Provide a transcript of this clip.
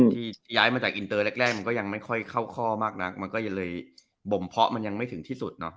ที่ย้ายมาจากอินเตอร์แรกมันก็ยังไม่ค่อยเข้าข้อมากนักมันก็เลยบ่มเพาะมันยังไม่ถึงที่สุดเนาะ